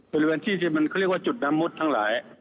มันเป็นเรื่อยที่จุดน้ำมุดทางหลาย